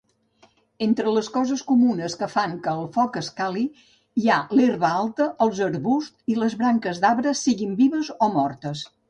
Entre les coses comunes que fan que el foc escali hi ha l'herba alta, els arbusts i les branques d'arbres, siguin vives o mortes.